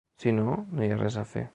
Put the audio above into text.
Si no, no hi ha res a fer.